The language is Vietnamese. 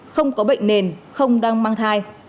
không có bệnh nền không đang mang thai